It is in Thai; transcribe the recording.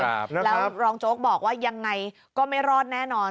แล้วรองโจ๊กบอกว่ายังไงก็ไม่รอดแน่นอน